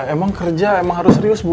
emang kerja emang harus serius bu